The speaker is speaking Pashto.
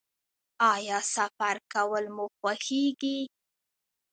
ایا سفر کول مو خوښیږي؟